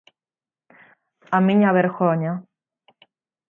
A miña vergoña.